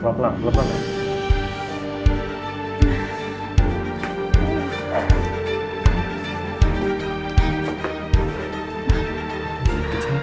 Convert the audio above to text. pelan pelan pelan pelan